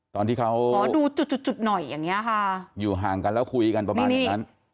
ตอนที่เขาอยู่ห่างกันแล้วคุยกันประมาณเหมือนนั้นขอดูจุดหน่อยอย่างนี้ค่ะ